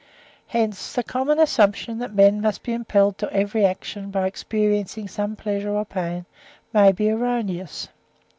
Hence the common assumption that men must be impelled to every action by experiencing some pleasure or pain may be erroneous.